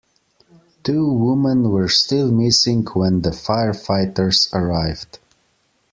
Two women were still missing when the firefighters arrived.